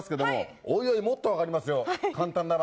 おいおいもっと分かりますよ。